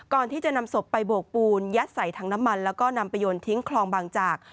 ก่อนที่จะนำศพไปโบกปูนยัดใส่ถังน้ำมันแล้วก็นำไปโยนทิ้งคลองบางจาก